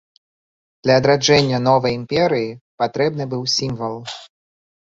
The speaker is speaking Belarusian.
Для адраджэння новай імперыі патрэбны быў сімвал.